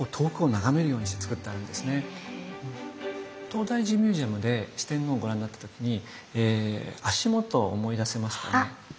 東大寺ミュージアムで四天王をご覧になった時に足元思い出せますか？